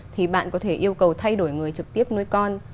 thì bạn có thể yêu cầu thay đổi người trực tiếp nuôi con